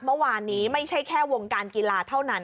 ไม่ใช่วงการกีฬาเท่านั้น